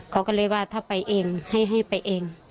เขาก็เลยว่าถ้าไปเองให้ไปเอง